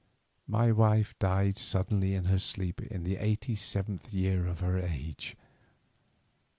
My wife died suddenly in her sleep in the eighty seventh year of her age.